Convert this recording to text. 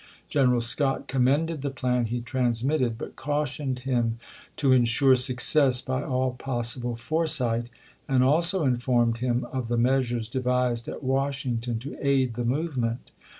General Scott commended the plan he transmitted, but cautioned him to insure success by all possible foresight, and also informed him of the measures devised at Washington to aid the movement.